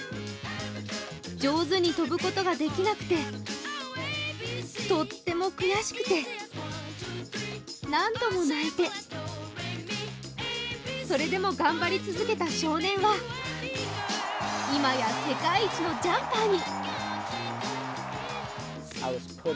上手に跳ぶことができなくてとっても悔しくて、何度も泣いて、それでも頑張り続けた少年はいまや世界一のジャンパーに。